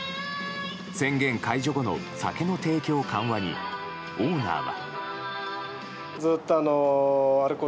宣言解除後の酒の提供緩和にオーナーは。